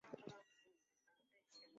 一张图可以有多个边缘点。